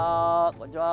こんにちは。